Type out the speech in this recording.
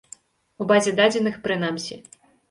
У базе дадзеных, прынамсі.